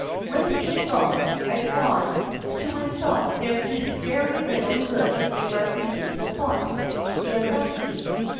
When he had gone, I thought to myself there could be very little good in my reading the book he had left me.